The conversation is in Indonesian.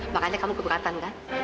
makanya kamu keberatan kan